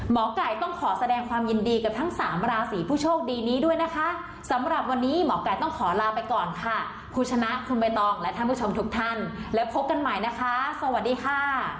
หมอไก่ต้องขอแสดงความยินดีกับทั้งสามราศีผู้โชคดีนี้ด้วยนะคะสำหรับวันนี้หมอไก่ต้องขอลาไปก่อนค่ะคุณชนะคุณใบตองและท่านผู้ชมทุกท่านแล้วพบกันใหม่นะคะสวัสดีค่ะ